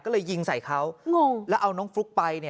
ก็เลยยิงใส่เขางงแล้วเอาน้องฟลุ๊กไป